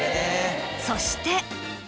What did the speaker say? そして。